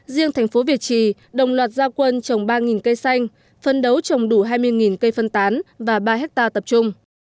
riêng thành phố việt trì đồng loạt gia quân trồng ba cây xanh phân đấu trồng đủ hai mươi cây phân tán và ba hectare tập trung